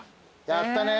やったね。